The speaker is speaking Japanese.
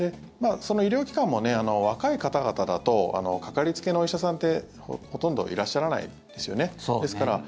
医療機関も若い方々だとかかりつけのお医者さんってほとんどいらっしゃらないですよね。